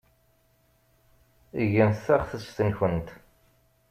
Gemt taɣtest-nkent.